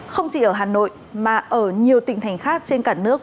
không chỉ ở hà nội mà ở nhiều tỉnh thành khác trên cả nước